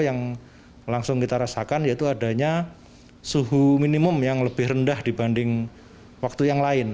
yang langsung kita rasakan yaitu adanya suhu minimum yang lebih rendah dibanding waktu yang lain